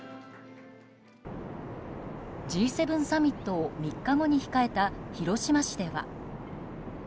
Ｇ７サミットを３日後に控えた広島市では。